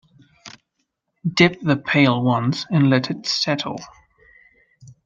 Dip the pail once and let it settle.